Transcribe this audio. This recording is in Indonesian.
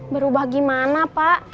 berubah gimana pak